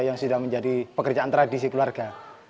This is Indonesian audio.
yang sudah menjadi pekerjaan tradisi keluarga